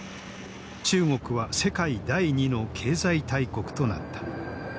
中国は世界第２の経済大国となった。